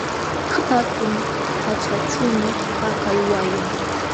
Hatun haćhachuumi pakay wayun.